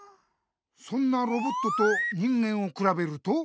そんなロボットと人間をくらべると何がちがう？